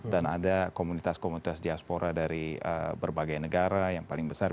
dan ada komunitas komunitas diaspora dari berbagai negara yang paling besar